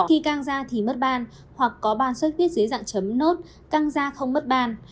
khi cang da thì mất ban hoặc có ban xuất huyết dưới dạng chấm nốt căng da không mất ban